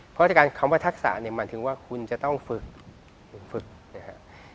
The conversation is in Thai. เพราะที่การคำว่าทักษะเนี่ยหมายถึงว่าคุณจะต้องฝึกฝึกเนี่ยฮะ